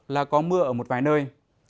là có mưa ở một vài nơi